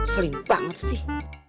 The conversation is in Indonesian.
sering banget sih